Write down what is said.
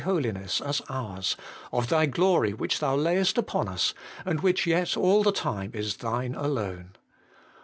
Holiness as ours, of Thy glory which Thou layest upon us, and which yet all the time is Thine alone.